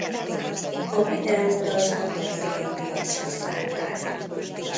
A videót az amerikai piacra szánták.